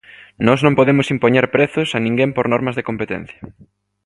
Nós non podemos impoñer prezos a ninguén por normas de competencia.